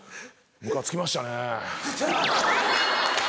ムカつきましたね。